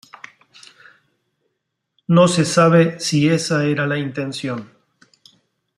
No se sabe si esa era la intención.